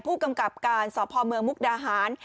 ผู้กำกับการสพเมืองมุกดาหาร